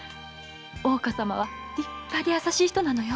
大岡様は立派で優しい人なのよ。